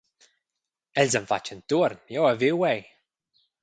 Els han fatg entuorn, jeu hai viu ei.